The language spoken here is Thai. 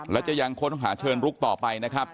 และจะยังค้นหาเชิงลุกต่อไปนะครับ